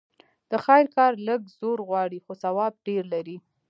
د خير کار لږ زور غواړي؛ خو ثواب ډېر لري.